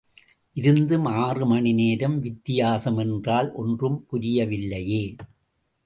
இருந்தும் ஆறு மணிநேரம் வித்தியாசம் என்றால் ஒன்றும் புரியவில்லையே!